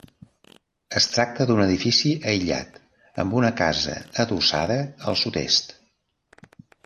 Es tracta d'un edifici aïllat amb una casa adossada al sud-est.